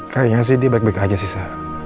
kayaknya sih dia baik baik aja sih sa